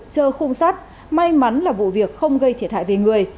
chờ khung sắt may mắn là vụ việc không gây thiệt hại về người